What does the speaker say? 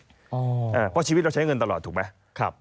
เพราะชีวิตเราใช้เงินตลอดถูกไหม